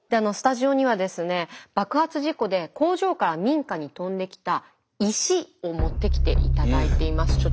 スタジオにはですね爆発事故で工場から民家に飛んできた石を持ってきて頂いています。